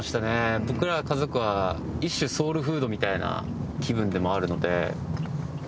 僕ら家族は一種ソウルフードみたいな気分でもあるので。